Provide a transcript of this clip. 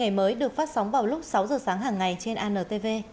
ngày mới được phát sóng vào lúc sáu giờ sáng hàng ngày trên antv